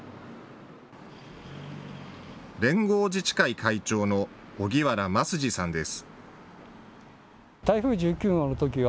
連合自治会会長の荻原益寿さんです。